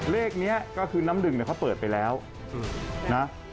เลขนี้ก็คือน้ำดื่มเนี่ยเขาเปิดไปแล้วนะ